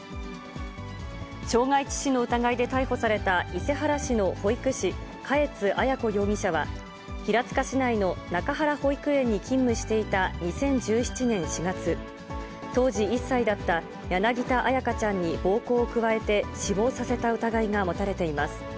傷害致死の疑いで逮捕された伊勢原市の保育士、嘉悦彩子容疑者は、平塚市内の中原保育園に勤務していた２０１７年４月、当時１歳だった柳田彩花ちゃんに暴行を加えて死亡させた疑いが持たれています。